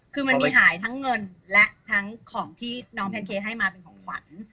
คือมันมีหายทั้งเงินและทั้งของที่น้องแพนเค้ให้มาเป็นของขวัญ